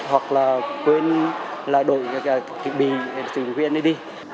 hoặc là quên đổi thiết bị từ vnad